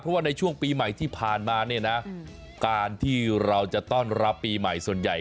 เพราะว่าในช่วงปีใหม่ที่ผ่านมาเนี่ยนะการที่เราจะต้อนรับปีใหม่ส่วนใหญ่